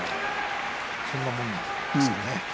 そんなもんですかね。